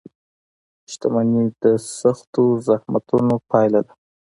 • شتمني د سختو زحمتونو پایله ده.